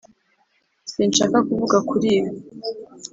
sinshaka kuvuga kuri ibi.